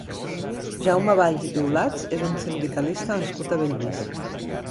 Jaume Valls i Piulats és un sindicalista nascut a Bellvís.